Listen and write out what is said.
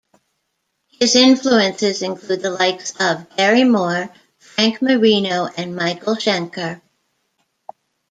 His influences include the likes of Gary Moore, Frank Marino and Michael Schenker.